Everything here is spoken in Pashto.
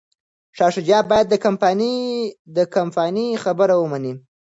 شاه شجاع باید د کمپانۍ خبره ومني.